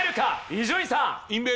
伊集院さん。